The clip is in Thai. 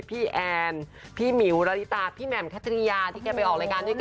พี่แอนพี่หมิวหลานีตราสพี่แม่มแคดริยาที่เกี่ยวไปออกรายการด้วยกัน